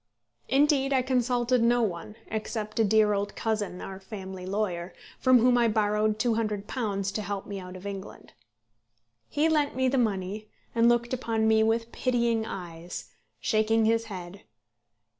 Indeed, I consulted no one, except a dear old cousin, our family lawyer, from whom I borrowed £200 to help me out of England. He lent me the money, and looked upon me with pitying eyes, shaking his head.